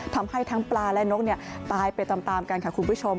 ทำให้ทั้งปลาและนกตายไปตามกันค่ะคุณผู้ชม